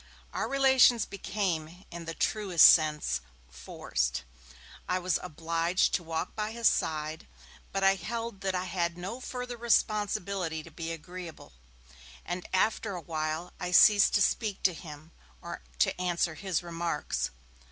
Our relations became, in the truest sense, 'forced'; I was obliged to walk by his side, but I held that I had no further responsibility to be agreeable, and after a while I ceased to speak to him, or to answer his remarks.